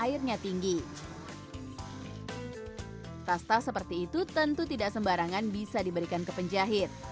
iya udah balik gitu